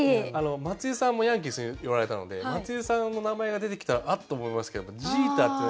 松井さんもヤンキースにおられたので松井さんの名前が出てきたらあっ！と思いますけどジーターってね